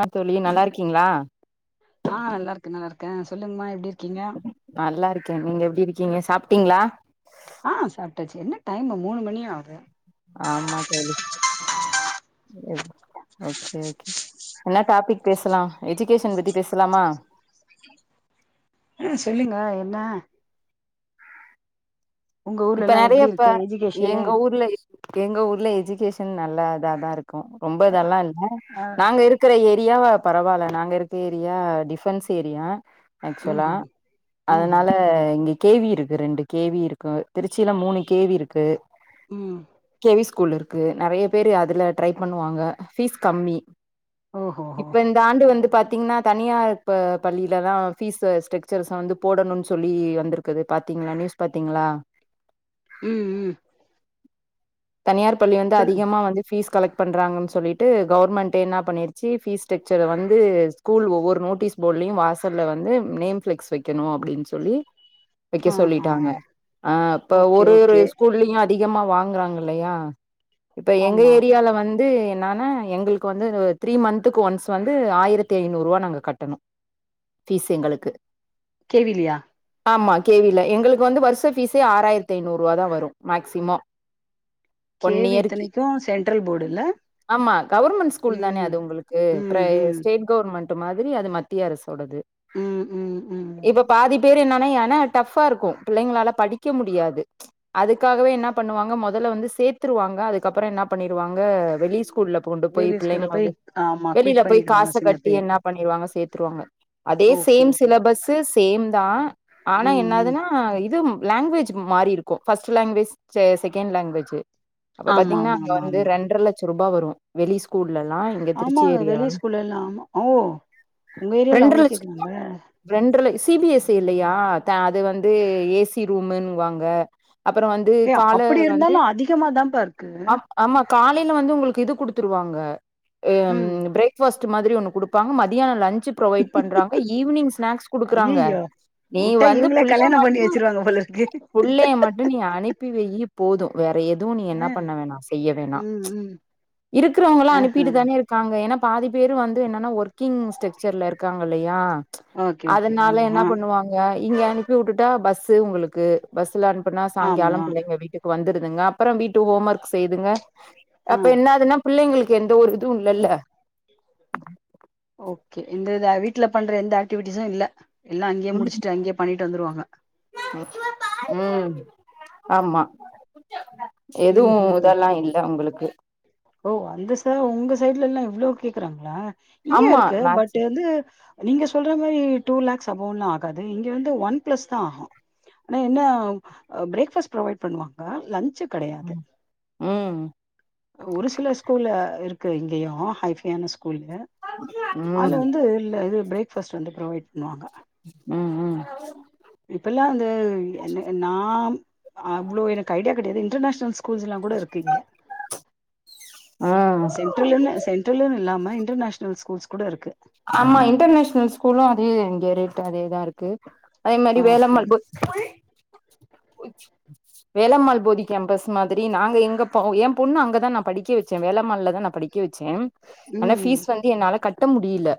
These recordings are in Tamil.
ஆ தோழி நல்லாருக்கீங்களா க்க சொல்லுங்கம்மா எப்டி இருக்கீங்க நல்லாருக்க நீங்க எப்டி இருக்கீங்க சாப்ட்டீங்களா ஆ சாப்ட்டாச்சு என்ன டைமு மூனு மணியாவுது ஆமா தோழி எக் ஓகே ஓகே என்ன டாப்பிக் பேசலா எஜுகேஷன் பத்தி பேசலாமா ம் சொல்லுங்க என்ன உங்க ஊர்ல இப்ப எல்லா நெறைய எப்டி இப்ப இருக்கு எஜுகேஷனு எங்க ஊர்ல இ எங்க ஊர்ல எஜுகேஷன் நல்லததா இருக்கும் ரொம்ப இதெல்லா இல்ல ஆ நாங்க இருக்கற ஏ ரியா பரவாயில்ல நாங்க இருக்க ஏரியா டிஃபன்ஸ் ஏரியா ஆக்ச்சுவலா ம்ஹும் ம்ஹும் அதனால இங்க கே வி இருக்கு ரெண்டு கே வி இருக்கு திருச்சில மூணு கே வி இருக்கு ம் கே வி ஸ்கூல் இருக்கு நெறைய பேரு அதுல ட்ரை பண்ணுவாங்க ஆ ஃபீஸ் கம்மி ஓஹோஹோ இப்ப இந்த ஆண்டு வந்து பாத் திங்னா தனியா இப்ப பள்ளியில தா ஃபீஸு ஸ்டக்சர்ஸ வந்து போடணுன் சொல்லி வந்துருக்குது பாத்தி திங்ளா நியூஸ் பாத்தீங்ளா ம் ம் தனியார் பள்ளி வந்து சொல்லுங்க அதிகமா வந்து ஃபீஸ் கலெக்ட் பண்றாங்கன் சொல்லிட்டு கவர்மெண்ட் என்னா பண்ணிருச்சி ஃபீஸ் ஸ்டச்சர வந்து ஸ்கூல் ஒவ்வொரு நோட்டீஸ் போல் லியு வாசல்ல வந்து நேம் ப்ளக்ஸ் வெக்கனு அப்டின் சொல்லி வெக்க ஆஹா சொல்லிட்டாங்க ஆ இப்ப ஓகே ஒரு ஒரு ஓகே ஸ்கூல்லயு அதிக மா வாங்கறாங்க இல்லையா இப்ப எங்க ஆமா ஏரியால வந் து என்னானா எங்களுக்கு வந்து ஒ த்ரீ மந்த்துக்கு ஒன்ஸ் வந்து ஆயிரத்தி ஐந்நூர்வா நாங்க கட்டனு ஃபீஸ் எங்களுக்கு கேவி இல்லியா ஆமா கேவி இல்ல எங்களுக்கு வந்து வருஷ ஃபீஸே ஆறாயிரத் ஐநூர்வா தா வரு மேக்சிமோ கேவி இத்தனைக்கு சென்ட்ரல் போடு இல்ல ஆமா கவுர்மெண் ஸ்கூல் தான ம் அது உங்களுக்கு ம் ப்ரைஸ் ம் ஸ்டேட் கவுர்மெண் டு மாதிரி அது மத்திய அரசோடது ம் ம் ம் இப்ப பாதிப் பேர் என்னானா ஏனா டப்ஃபா இருக்கு பிள்ளைங்ளால படி க்க முடியாது ப்ச் அதுக்காகவே என்ன பண்ணுவாங்க மொதல்ல வந்து சேத்துருவாங்க அதுக்கப்றோ என்ன பண்ணிருவாங்க அ வெளி ஸ்கூல்ல கொண்டு போய் வெளி ஸ்கூல்ல பிள்ளைங்கள போய் வந்து ஆமா வெளியில குவிட் போய் பண்ணிடுவாங்க காச சில கட்டி பேரு என்ன பண்ணிருவாங்க சேத் துருவாங்க அதே okay same okay okay syllabus same தா ஆனா ம் ம் என்னதுன்னா இது லாங்வேஜ் மாறி இருக்கு ஃபஸ்ட் லாங்வேஜ் செ செகண் லாங்வேஜு அப்ப ஆமா பாத்தீங்னா ஆமா அங்க ஆமா வந்து ஆமா ரெண்டர லட்சோ ரூபா வரு வெளி ஸ்கூல் ல்லலா இங்க திருச்சி ஆமாங்க ஏரியா வெளிய ஸ்கூல்ல எல்லாம் ஆமா ஓ உங்க ஏரியால ரெண்டர அவ்ளோ லச்ச கேக்குறாங்க ரெண்டர்ல இஸ் சி பி எஸ் சி இல்லையா தா அது வந்து ஏசி ரூமுன் வாங்க அப்றோ வந்து ஏ கால அப்படி வந்து இருந்தாலு அதிகமா தான்ப்பா இருக்கு ஆ ப் மா காலையில வந்து உங்களுக்கு இது குடுத்துருவாங்க ஏ அம் ம் பிரேக் பாஸ் டு மாதிரி ஒன்னு குடுப்பாங்க மதியான லஞ் ச்சு புரொவைட் பண்றாங்க ஈவ்னிங் ஸ்நாக்ஸ் குடுக்குறாங்க ஐயையோ நீ வுட்டா வந்து இவுங்களே பிள்ளைய கல்யாணம் பண்ணி மட்டு வச்சிருவாங்க போல இருக்கு புள்ளைய மட்டு நீ அனுப்பி வெய்யி போது வேற எத் து நீ என்ன அ பண்ண வேணா செய்ய வேணா ம் ப்ச் ம் இருக்றவங்கள்ளா ஆஹா அனுப்பிட்டு தான இருக்காங்க என்ன பாதி பேர் வந்து என்னனா ஒர்க்கிங் ஸ்ட்ரக்சர்ல இருக்காங்க இல்லையா ப்ச் ஓகே ஓகே அதனால என்ன ஆமா பண்ணுவாங்க இங்க அனுப்பி வுட்டுட்டா பஸ்ஸு உங்களுக்கு பஸ்ல அனுப்புனா சாய்ங்காலம் ஆமா பிள்ளைங்க வீட்டுக்கு வந்து திதுங்க அப்புற வீட்டு ஓம் ஒர்க் செய்துங்க ஆ அப்ப என்னதுனா பிள்ளைங்களுக்கு எந்த ஒரு இதுவு இல்லல்ல ஓகே இந்த இத வீட்ல பண்ற எந்த ஆக்டிவிட்டிஷூ இல்ல எல்லா அங்க்யே முடிச்சுட்டு அங்கயே பண்ணிட் டு வந்துருவாங்க ம் ஆமா எதுவு ம் ம் இதெல்லா இல்ல உங்களுக்கு ஓ அந்த சர் உங்க சைட்ல எல்லா இவ்ளோ கேக்குறாங்களா இங்க்யே ஆமா இருக்கு மேக்ஸ் பட்டு வந்து நீங்க சொல்ற மாரி டூ லேக்ஸ் அமோன்ட்லா ஆகாது இங்க வந்து ஒன் பிளஸ் தா ஆகு ஆனா என்ன அ பிரேக்பாஸ்ட் ப்ரொவைட் பண்ணுவாங்க லன் ம் ஒரு சில ஸ்கூல்ல இருக்கு இங்கியு ஹை ஃபையான ஸ் கூல்லு அல்ல ம் வந்து இல்ல இது பிரேக் ஃபாஸ்ட் வந்து புரோவைட் பண்ணுவாங்க ம் ம் இப்பல்லா அந்த என்ன எ நாம் அவ்ளோ எனக்கு ஐடியா கெடையாது டர் நேஷனல் ஸ்கூல்ஸ் எல்லா கூட இருக்கு இங்க ஆ சென்ட்ரல ஒன்னு சென்ட்ரலந் இல்லாம இன்டர்நேஷ்னல் ஸ்கூல்ஸ் கூட இருக்கு ஆமா இன்டர் நேஷ்னல் ஸ்கூலு அதே இங்க ரேட் அதேதாருக் க்கு அதே மாரி ஆஹ. வேலம்மாள் வேலம்மாள் போதி கேம்பஸ் மாதிரி நாங்க எங்க என் பொண்ணு அங்கதா நா படிக்க வச்சே வேலம்மால்லதா நா படி க்க வச்சே ஆனா ம். பீஸ் வந்து என்னால கட்ட முடியல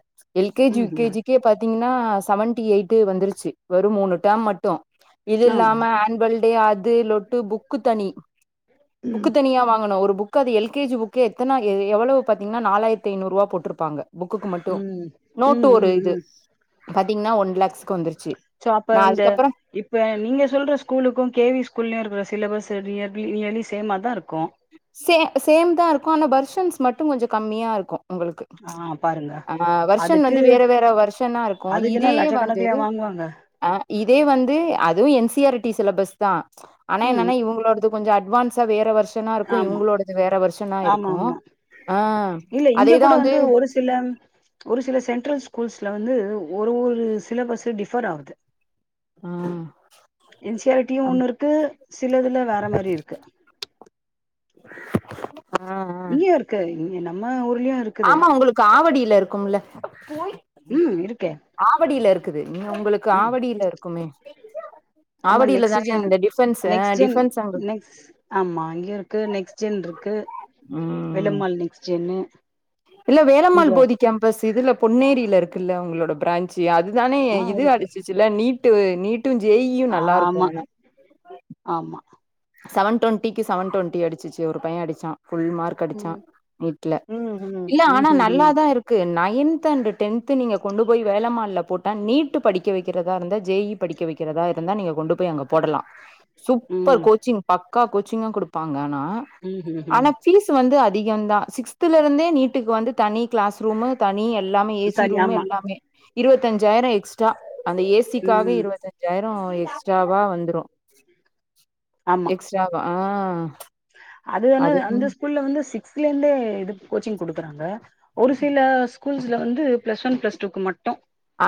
எல்கேஜி ம்ஹ்ம். யுகேஜிேக்கே பாத்தீங்கன்னா அ செவன்டி எய்ட்டி வந்துருச்சு வெறு மூணு டர்ம் மட்டு இது ஆமா. இல்லாம ஆன்வல் டே அதுலொட்டு புக்கு தனி ம் புக்கு தனியா வாங்கணு ஒரு புக் க்கு அது எல்கேஜி புக்கு எத்தன எவ்வளோ பாத்தீங்கன்னா நாலாயிரத்து ஐநூறுவா போட்ருப்பாங்க புக்குக்கு மட்டு ம் நோட்டு ம் ஒரு ம் இது ம் பாத்தீங்கன்னா ஒன் லாக்ஸ் சோ அப்ப இந்த இப்ப நீங்க சொல்ற ஸ்கூலுக்கு கேவி ஸ்கூல்லயு இருக்குற சிலபஸ் நியர்லி நியர்லி சேம்மாதா இருக்கு சே சேம்தா இருக்கும் ஆனா வெர்ஷன்ஸ் மட்டு கொஞ்ச கம்மியா இருக்கு உங்களுக்கு ஆ பாருங்க ஆ வர்ஷன் அதுக்கு வந்து வேற வேற வர்ஷனா இருக்கு அதுக்குன்னா இதே வந்து லட்சக்கணக்குலயா வாங்குவாங்க அ இதே வந்து அதுவு என் சி ஆர் டி சிலபஸ்தா ஆனா ம் என்னன்னா இவங்களோடது கொஞ்ச அ ட்வான்ஸா வேற வர்ஷனா இருக்கு ஆமா இவங்களோடது வேற வர்ஷனா ஆமா இருக்கு ஆமா ஆ இல்ல இங்க கூட வந்து ஒரு சில ஒரு சில சென்ட்ரல் ஸ்கூல்ஸ்ல வந்து ஒரு ஒரு சிலபஸ் டிஃபர் ஆகுது ஆ என் சி ஆர் டியு ஒன்னு இருக்கு சிலதுல வேற மாரி இருக்கு ஆ அ நீங்க நம்ம ஊரு ஆமா உங்களுக்கு ஆவடியில இருக்கும்ல ம் இருக்கே ஆவடியில இருக் ம் உங்களுக்கு ம் ஆவடியில இருக்குமே ஆமா ஆவடியில தானே அந்த டிஃப நெக்ஸ்ட் ஜென் நெக்ஸ்ட் ஆமா அங்கயு இருக்கு நெக்ஸ்ட் ஜென் இருக்கு ம் வேள்ளமாள் நெக்ஸ்ட் ஜென்னு இல்ல வேலம்மாள் இங்க போதி கேம்பஸ் இதுல்ல பொன்னேரியில இருக்குல்ல உங்களோட பிரான்ச்சு அதுதானே ஆ இது இருக்கு அடிச்சிச்சுல்ல நீட்டு நீ ட்டு ஜெயியு நல்லா இருக்கு ஆமா ஆனா ஆமா செவன் டுவன்டிக்கு செவன் டுவண்ட்டி அடிச்சுச்சு ஒரு பைய அடிச்சா ஃபுல் மார்க் அடிச்சா ம் நீட்ல ம் ம் இல்ல ம் ஆனா ம் நல்லாதா இருக்கு நைன்த் அண்ட் டென்த்து நீங்க கொண்டு போய் வேளம்மால்ல போட்டா நீட்டு படிக்க வைக்கிறதா இருந்தா ஜே யி படிக்க வைக்கிறதா இருந்தா நீங்க கொண்டு போய் அங்க போடலா சூப்பர் ம் கோச் பக்கா கோச்சிங்கு குடுப்பாங்கா ஆனா ம் ம் ஆனா ம் பீஸ் வந்து அதி அதிகந்தா சிக்ஸ்த்துல இருந்தே நீட்டுக்கு வந்து தனி க்ளாஸ் ரூம்மு தனி எல்லாமே ஏசி தனி ரூம் ஆமா எல்லாமே இருவத்தஞ்சாயிர எக்ஸ்ட்ரா அந்த ஏசிக்காக ம் இருவத்தஞ்சாயிர அப்ரோ எக்ஸ்ட்ராவா வந்துரு ஆமா எக்ஸ்ட்ராவா ஆ அது ஆனா அதுவும் அந்த ஸ்கூல்ல வந்து சிக்ஸ்த்துல இருந்தே எதுக்கு கோச்சிங் குடுக்குறாங்க ஒரு சில ஸ்கூல்ஸ்ல வந்து பிளஸ் ஒன் பிளஸ்டூக்கு மட்டு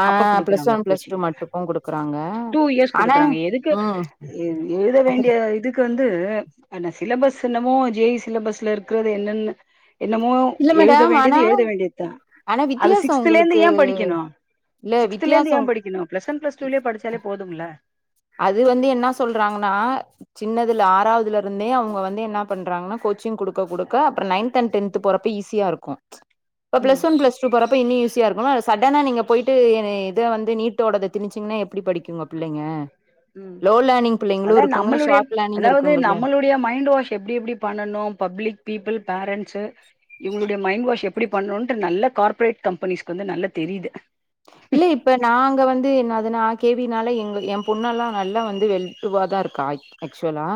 ஆ அப்ப பிளஸ் குடுக்குறாங்க ஒன் பிளஸ் டூ கோச்சிங்கு மட்டுக்கு குடுக்குறாங்க டூ இயர்ஸ் ஆனா குடுக்குறாங்க எதுக்கு ம் எழுத வேண்டிய இதுக்கு வந்து து ஆனா சிலபஸ் என்னமோ ஜேயி சிலபஸ்ல இருக்கிறது என்னன்னு என்னமோ இல்ல எழுத மேடம் வேண்டியது ஆனா எழுத வேண்டியதுதா ஆனா அத வித்தியாசோ சிக்ஸ்த்துலேந்து உங்களுக்கு ஏ படிக்கணு இல்ல சிக்ஸ்த்துலேந்து வித்தியாசோ ஏ படிக்கணு பிளஸ் ஒன் பிளஸ்டூலயே படிச்சாலே போதும்ல அது வந்து என்ன சொல்றாங்கன்னா சின்னதுல ஆறாவதுல இருந்தே அவுங்க வந்து என்ன பண்றாங்கன்னா கோச்சிங் குடுக்க குடுக்க அப்புற நைன்த் அண்ட் டென்த் போறப்ப ஈஸியா இருக்கு இப்ப ம் பிளஸ் ஒன் பிளஸ்டூ போறப்ப இனி யூஸ் யா இருக்குல சடனா நீங்க போயிட்டு இத வந்து நீட்டோடத தினிச்சீங்கன்னா எப்படி படிக்குங்க பிள்ளைங்க ம் லோலாணி அதா நம்மளுடைய அதாவது நம்மளுடைய மைண்ட் வாஷ் எப்டி எபபடி பண்ணனு பப்ளிக் பீப்பிள் பேரண்ட் ச்சு இவுங்களுடைய மைண்ட் வாஷ் எப்டி பண்ணுட்டு நல்ல கார்ப்ரேட் கம்பெனிஸ்கு வந்து நல்லா தெரியுது இல்ல இப்ப நாங்க வந்து என்னாதுனா கே வினால எங்க என் பொண்ண ல்லா நல்லா வந்து வெள்டுவாதா இருக்கா ஆக்சுவலா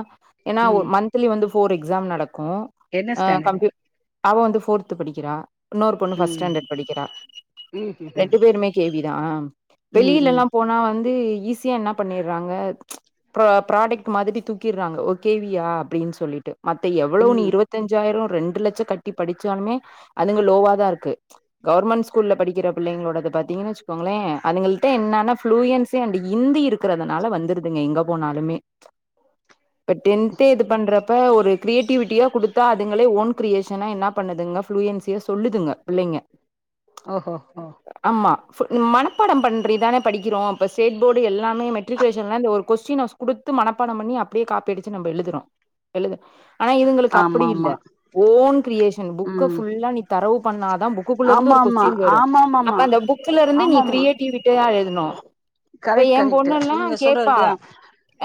ஏன்னா ஒ ம் மந்த்லி வந்து ஃபோர் எக்ஸாம் நடக்கூ என்ன ஸ்டாண்டர்டு கம்ப்யு அவ வந்து ஃபோர்து படிக்கிறா இன்னொரு பொண்ணு ஃபஸ்ட் ம் ஸ்டாண்டர்ட் படிக்கிறா ம் ரெண் ம் ரெண்டு பேருமே கே வி தாம் ம் ம் வெளியிலலாம் போனா வந்து ஈஸியா என்ன பண்ணிறாங்க ப்ரா ப்ராடக்ட் மாதிரி தூக்கிறாங்க ஓ கே வி யா அப்டின் சொல்லிட்டு மத்த எவ்வளவு நீ ம் இருவத்தஞ்சாயிரோ ரெண்டு லட்ச கட்டி படிச்சாலுமே அதுங்க லோவா தா இருக்கு கவர்மெண்ட் ஸ்கூல்ல படிக்கிற பிள்ளைங்களோடத பாத்தீங்கன் வச்சுக்கோங்களே அதுங்கள்ட்ட என்னன்ன ஃப்ளூயன்ஸி அண்டு ஹிந்தி இருக்குறதுனால வந்துருதுங்க எங்க போனாலுமே இப்ப டென்தே இது பண்றப்ப ஒரு கிரியேட்டிவிட்டியா குடுத்தா அதுங்களே ஓன் கிரியேஷனா என்னா பண்ணுதுங்க ஃப்லூயன்சியா சொல்லுதுங்க பிள்ளைங்க ஓஹோ ஹோ மா ஃபுல் மனப்பாடம் பண்றி தான படிக்கிறோ இப்ப ஸ்டேட் போர்டு எல்லாமே மெட்ரிகுலேஷன்லா இந்த ஒரு கொஸ்டின ஸ்கூ குடுத்து மனப்பாடம் பண்ணி அப்டியே காப்பி அடிச்சி நம்ப எழுதுறோம் எழு ஆனா இதுங்களுக்கு அப்பிடி ஆமா இல்ல ஆமா ஓன் கிரியேஷன் புக்கு ம் ஃபுல்லா நீ தரவ் பண்ணாதா புக்கு குலருந்து ஆமா ஒரு ஆமா கொஸ்டின் வரு ஆமா அப்ப ஆமாமா அந்த புக்ல இருந்து நீ ஆமாமா கிரியேட்டிவிட்டியா எழுதுனு கரெக்ட் கரெக்டு நீங்க சொல்றது அப்டிதா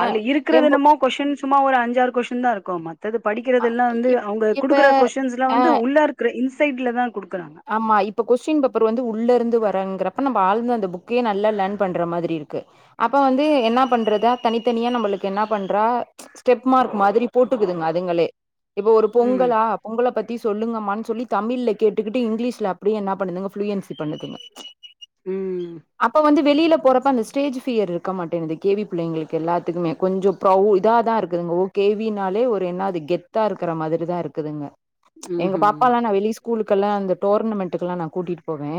அ அதுல எ இருக்குறது பொ என்னமோ கொஸ்ட்டீன் சும்மா ஒரு அஞ்சாறு கொஸ்டீன் தான் இருக்கூ மத்தது அ படிக்கிறது எல்லா வந்து இப் அவுங்க இப்ப குடுக்குற கொஸ்டின்ஸ்ல அ வந்து உள்ள இருக்குற இன்ஸ் சைட்ல தா குடுக் ஆமா இப்ப கொஸ் ஸ்டீன் பேப்பர் வந்து உள்ள இருந்து வரங்கிறங்கிறப்ப நம்ப ஆழ்ந்த அந்த புக்கையே நல்லா லேர்ன் பண்ற மாதிரி இருக்கு அப்ப வந்து து என்ன பண்றதா தனித்தனியா நம்பளுக்கு என்ன பண்றா ஸ்டெப்மார்க் மாதிரி போட்டுக்குதுங்க அதுங்களே இப்ப ஒரு ம் பொங்கலா பொங்கல பத்தி சொல்லுங்கமான் சொல்லி தமிழ்ல கேட்டு கேட்டுகிட்டு இங்கிலீஷ்ல அப்டியே என்னா பண்ணுதுங்க ஃபுளுயன்சி பண்ணுதுங்க ம் அப்ப வந்து வெளில போறப்ப அந்த ஸ்டேஜ் ஃபியர் இருக்க மாட்டேங்குது கே வி புள்ளைங்களுக்கு எல்லாத்துக்குமே கொஞ்சம் பிரவ் இதா தா இருக்கு எங்க ஓ கேவினாலே ஒரு என்ன அது கெத்தா இருக்கற மாதிரிதா இருக்குதுங்க எங்க ம்ஹும் பாப்பாலா நான் வெளி ஸ்கூலுக்கல்லா அந்த டோர்னமெண்ட்டுக்குலா நா கூட்டிட்டு போவே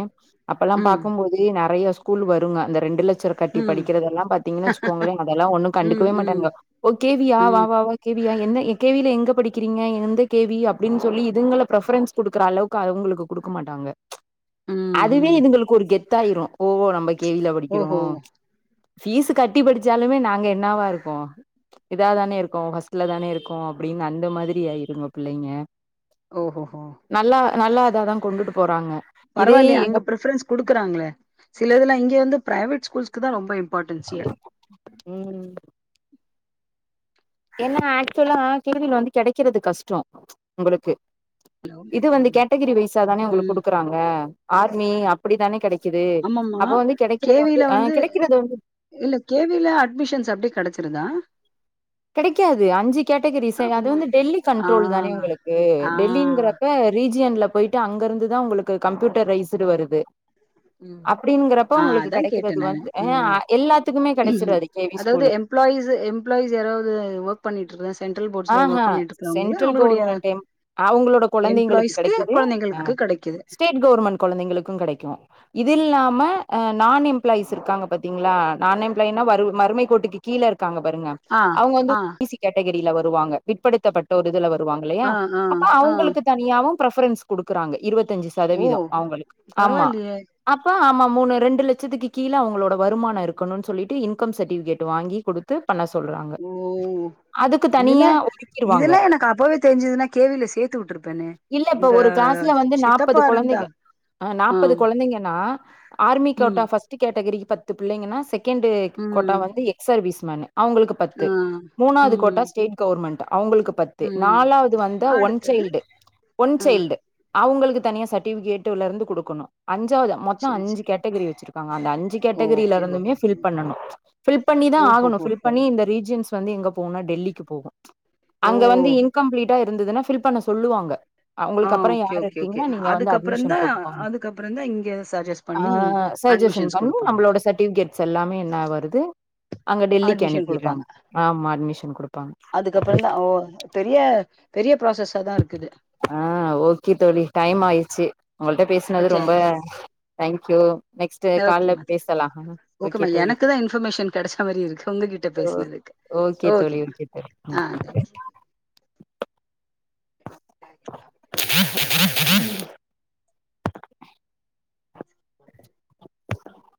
அப்பல்லாம் ம் பாக்கும் போது நறைய ஸ்கூல் வருங்க இந்த ரெண்டு லட்ச கட்டி ம் படிக்கிறது எல்லாம் பாத்தீங்கனா வச்சுக்கோங்களே அதெல்லாம் தா ஒன்னு ம் கண்டுக்கவே ம் மாட்டாங்க ஓ கே வி யா வா ம் வா கே வி யா என்ன கே வி ல எங்க படிக்கிறீங்க எந்த கே வி அப்டின் சொல்லி இதுங்கள பிரஃபரன்ஸ் குடுக்குற அளவு காரவுங்களுக்கு குடுக்க மாட்டாங்க ம் அதுவே ம் இதுங்களுக்கு ஒரு கெத்தா ஆயிரு ஓ நம்ப கே வி ல படிக்கிறோ ஓஹோ ஃபீஸ் கட்டி படுச்சாலுமே நாங்க என்னவா இருக்கோ இதா தானே இருக்கோ ஃபஸ்ட்ல தானே இருக்கோ அப்டின் அந்த மாதிரி ஆயிருங்க பிள்ளங்க ஓஹோ ஹோ நல்லா அதாதா கொண்டுட்டு போறாங்க இதே பரவால்லயே எங்க அங்க பிரிஃபரன்ஸ் குடுக்றாங்களே சிலதுல இங்கே வந்து பிரைவேட் ஸ்கூல்ஸ்குதா ரொம்ப இம்பார்டன்சியே ஏனா ஆக்சுலா கே வி ல வந்து கெடக்கறது கஷ்டோ உங்ளுக்கு இது வந்து ம் கேட்டகிரி வைஸா தானே உங்ளுக்கு ம் குடுக்குறாங்க ஆர்மி அப்டிதானே கெடைக் ஆமாமா கே வி ல வந்து கெடைக்கிறது வந்து இல்ல கே வி ல அட்மிஷன்ஸ் அப்டியே கெடச்சுருதா கெடைக்காது அஞ்சு கேட்டகிரிஸ் அது ஆமா வந்து டெல்லி ஆ கண்ட்ரோல் தானே உங்களுக்கு ஆ டெல்லிங்கிறப்ப ரீ ஜியன்ல பொய்ட்டு அங்கருந்து தா உங்ளுக்கு கம்ப்யூட்டரைஸ்டு வருது ம் அப்படிங்கறப்ப ஆ உங்ளுக்கு அதா கேட்டே கெடக்றது நானு வந்து எ ம் எல்லாத்துக்குமே கெடச்றாது கே வி ஸ்கூலு ஸ் எம்ப்ளாயீஸ் யாராவ்து ஒர்க் பண்ணிட்டு இருக்க சென்ட்ரல் ஆ போர்ட்ஸ்ல ஹ ஒர்க் பண்ணிட்டு இருக்கிறவங்கள சென்ட்ரல் அவங்களுடைய கவர்மெண்ட எம் அவுங்களோட கொழந்தைங்ளுக்கு எம்ப்ளாயீஸ்க்கு கெடக்கிது அ கொழந்தைங்களுக்கு கெடைக்குது ஸ்டேட் கவர்மெண்ட் கொழந்தகளுக்கூ கெடைக்கூ இது இல்லாம அ நான் எம்ப்ளாயிஸ் இருக்காங்க பாத்தீங்ளா நான் எப்ளாயின்னா வறு வறுமை கோட்டுக்கு கீழ இருகாங்க பாருங்க ஆ அவுங்க வந்து ஆ பி சி கேட்டகிரில வருவாங்க பிற்படுத்தப்பட்ட ஒரு இதுல வரு வருவாங்கல்லையா ஆ ஆ அப்ப ஆ அவுங்ளுக்கு தனியாவு பிரஃபரன்ஸ் குடுக்குறாங்க இருவத் த்தஞ்சி ஓ சதவீதோ அவங்ளுக்கு ஆமா பரவாயில்லையே அப்ப ஆமா மூணு ரெண்டு லட்சத்துக்கு கீழ அவங்களோட வருமானோ இருக்கணுன் சொல்லிட்டு இன்கம் சட்டிவிகேட் வாங்கி குடுத்து பண்ண சொல்றாங்க ஓ அது இதுல இதெல்லா எனக்கு அப்பவே தெரிஞ்சுதுனா கேவில சேத்து வுட்ருப்பேனே இல்ல இப்ப ஒரு கிளாஸ்ல வந்து நாப்பது இருந்தா கொழந்தைங்க அ ஆ நாப்பது கொழந்தைங்க ஆ ஆர்மி கோட்டா ம் ஃபஸ்ட் கேட்டகிரிக்கு பத்து பிள்ளைங்கனா செகண்டு கோட்டா ம் வந்து எக்ஸ் சர்வீஸ் மனே அவுங்ளுக்கு பத்து ஆ மூணாவது கோட்டா ம் ஸ்டேட் கவுர்மெண்டா அவுங்ளுக்கு பத்து ம் நாலாவது வந்து ஒன் அடுத்தது சைல்டு ஒன் ஆ சைல்டு அவுங்ளுக்கு தனியா சட்டிவிகேட்டுலருந்து குடுக்கனு அஞ்சாவது மொத்தோ செரி அஞ்சு செரி கேட்டகிரி வச்சிருக்காங்க அந்த அஞ்சு ஓகே ஓகே கேட்டகிரிலருந்துமே ஓகே ஃபில் ஓகே பண்ணணு ஃபில் பண்ணி தா ஆகணு ஃபில் ஓஹோஹோஹோ பண்ணி இந்த ரீஜியன்ஸ் வந்து எங்க போனா டெல்லிக்கு போகு ஓ அங்க வந்து இன்கம்ப்ளீட்டா இருந்ததுனா ஃபில் பண்ண சொல்லுவாங்க ஆ அவுங்ளுக்கு அப்றோ ஓகே யார் ஓகே இருக்கீங்க ஓகே நீங்க வந்து அட்மிஷன் அதுக்கப்புறந்தா போட்டுக்கோங்க அதுக்கப்புறந்தா இங்க சஜஸ்ட் அ பண்ணி சர் ஜசன் அட்மிஷன்ஸ் பண்ணி குடுப்பாங்க நம்பளோட சட்டிவிகேட்ஸ் எல்லாமே என்னா வருது அங்க டெல்லிக்கு அட்மிஷன் அனுப்பிறாங்க ஆமா அட்மிஷன் குடுப்பாங்க அதுக்கப்றோந்தா ஓ பெரிய பெரிய ப்ராசஸ்சா தா இருக்குது ஆ ஓகே தோழி டைம் ஆய்ச்சி உங்கள்ட்ட பேசுனது ரொம்ப சரி தேங்க்யூ நெக்ஸ்ட் கால்ல ஓகேமா பேசலா ஓகேமா ஓகே தோழி கிட்ட ஓ பேசுனதுக்கு ஓகே தோழி ஓகேமா ஓகே தோழி ம் ஆ தேங்யூ பா [inaudible]